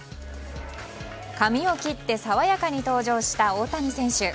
髪を切って爽やかに登場した大谷選手。